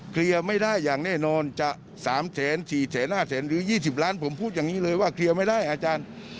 เคลียร์ไม่ได้อย่างแน่นอนจะ๓๔๕๐๐๐หรือ๒๐ล้านผมพูดอย่างนี้เลยว่าเคลียร์ไม่ได้อาจารย์